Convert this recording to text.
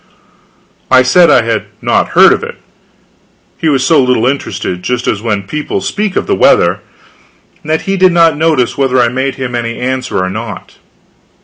I said I had not heard of it. He was so little interested just as when people speak of the weather that he did not notice whether I made him any answer or not.